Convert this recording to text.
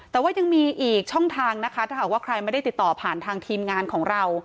แต่ว่ายังมีอีกช่องทางนะคะถ้าหากว่าใครไม่ได้ติดต่อผ่านทางทีมงานของเรา